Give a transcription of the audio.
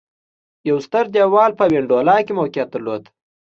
یو ستر دېوال په وینډولا کې موقعیت درلود